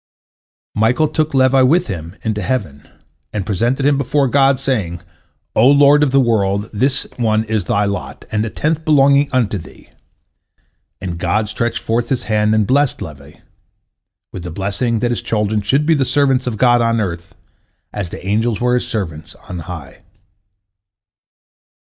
Michael took Levi with him into heaven, and presented him before God, saying, "O Lord of the world, this one is Thy lot, and the tenth belonging unto Thee," and God stretched forth His hand and blessed Levi with the blessing that his children should be the servants of God on earth as the angels were His servants on high.